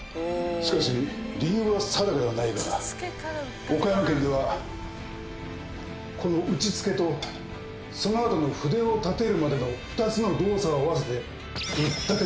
しかし理由は定かではないが岡山県ではこの打ちつけとそのあとの筆を立てるまでの２つの動作を合わせて。